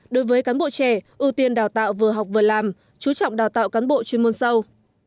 động đào tạo cán bộ chuyên môn sâu